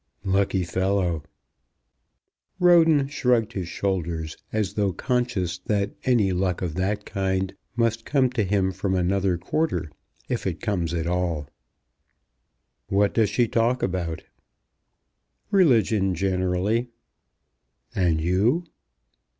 "Lucky fellow!" Roden shrugged his shoulders as though conscious that any luck of that kind must come to him from another quarter, if it came at all. "What does she talk about?" "Religion generally." "And you?"